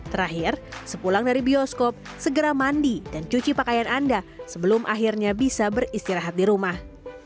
terakhir sepulang dari bioskop segera mandi dan cuci pakaian anda sebelum akhirnya bisa beristirahat di rumah